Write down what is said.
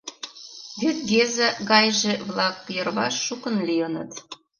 Вет Геза гайже-влак йырваш шукын лийыныт.